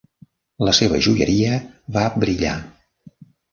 La seva joieria va brillar.